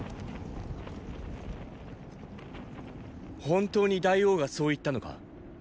本当に大王がそう言ったのか？